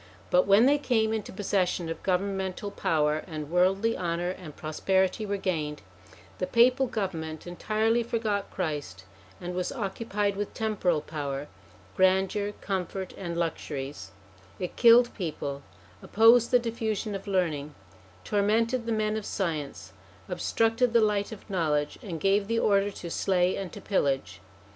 But when they came into possession of governmental power, and worldly honour and prosperity were gained, the Papal government entirely forgot Christ, and was occupied with temporal power, grandeur, comfort, and luxuries; it killed people, opposed the diffusion of learning, tormented the men of science, obstructed the light of knowledge, and gave the order to slay and to pillage.